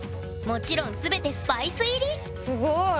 もちろん全てスパイス入りすごい。